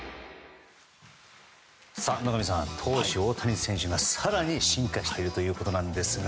野上さん投手・大谷選手が更に変化しているということですが。